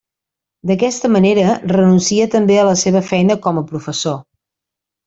D'Aquesta manera, renuncia també a la seva feina com a professor.